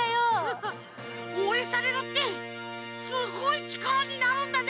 おうえんされるってすごいちからになるんだね！